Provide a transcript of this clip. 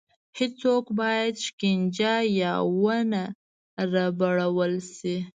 هېڅوک باید شکنجه یا ونه ربړول شي.